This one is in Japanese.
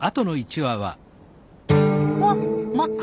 わっ真っ黒！